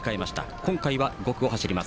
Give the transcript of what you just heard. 今回は、５区を走ります。